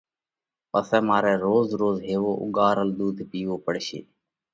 پسئہ مارئہ روز روز هيوَو اُوڳارل ۮُوڌ پِيوو پڙشي۔